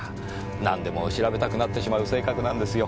何でも調べたくなってしまう性格なんですよ。